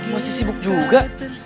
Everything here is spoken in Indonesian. masih sibuk juga